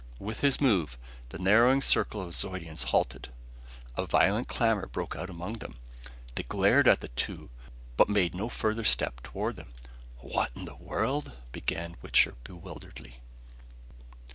With his move, the narrowing circle of Zeudians halted. A violent clamor broke out among them. They glared at the two, but made no further step toward them. "What in the world " began Wichter bewilderedly.